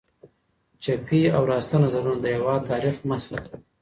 چپي او راسته نظریاتو د هېواد تاریخ مسخ کړ.